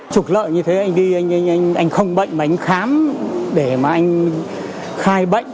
trục lợi như thế anh đi anh không bệnh mà anh khám để mà anh khai bệnh